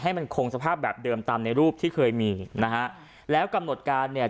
มันคงสภาพแบบเดิมตามในรูปที่เคยมีนะฮะแล้วกำหนดการเนี่ย